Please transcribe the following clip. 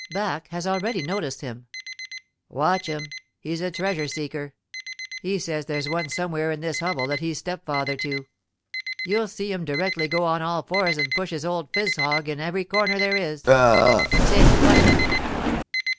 Barque has already noticed him: "Watch him he's a treasure seeker. He says there's one somewhere in this hovel that he's stepfather to. You'll see him directly go on all fours and push his old phizog in every corner there is. Tiens, watch him."